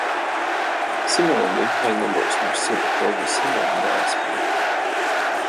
Similarly high numbers are seen across the Samoan diaspora.